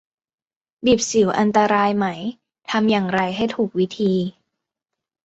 บีบสิวอันตรายไหม ทำอย่างไรให้ถูกวิธี